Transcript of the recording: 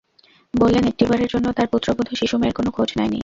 বললেন, একটি বারের জন্য তাঁর পুত্রবধূ শিশু মেয়ের কোনো খোঁজ নেয়নি।